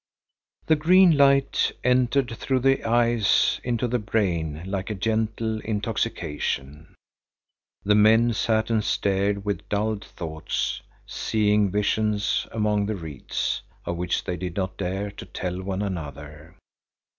The green light entered through the eyes into the brain like a gentle intoxication. The men sat and stared with dulled thoughts, seeing visions among the reeds, of which they did not dare to tell one another.